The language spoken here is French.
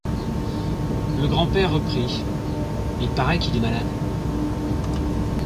Le grand-père reprit: — Il paraît qu’il est malade.